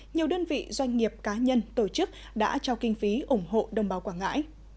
nhiều đơn vị doanh nghiệp cá nhân tổ chức đã trao kinh phí ủng hộ đồng bào quảng ngãi